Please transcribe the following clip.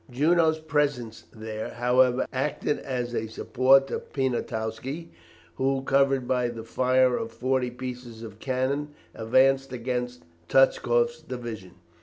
Junot's presence there, however, acted as a support to Poniatowski, who, covered by the fire of forty pieces of cannon, advanced against Touchkoff's division.